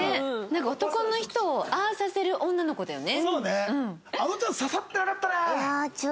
なんか男の人をああさせる女の子だよね。